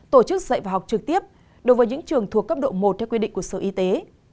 tổ chức dạy và học trực tiếp đối với những trường thuộc cấp độ một theo quy định của sở y tế